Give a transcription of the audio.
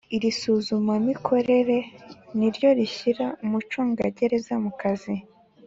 Irisuzumamikorere niryo rishyira umucungagereza mukazi